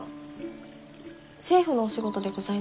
政府のお仕事でございますか？